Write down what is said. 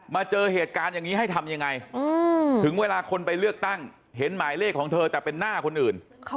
เจอเหตุการณ์อย่างนี้ให้ทำยังไงถึงเวลาคนไปเลือกตั้งเห็นหมายเลขของเธอแต่เป็นหน้าคนอื่น